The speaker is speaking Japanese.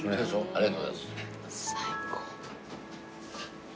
ありがとうございます！